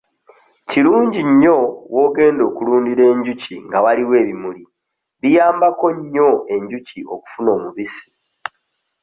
Kirungi nnyo w'ogenda okulundira enjuki nga waliwo ebimuli biyamabako nnyo enjuki okufuna omubisi.